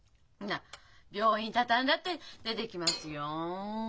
病院畳んだって出ていきますよん。